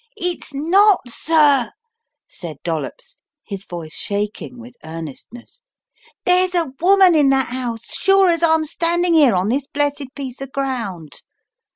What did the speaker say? "It's not, sir," said Dollops, his voice shaking with earnestness, "there's a woman in that house, sure as I'm standing 'ere on this blessed piece of ground.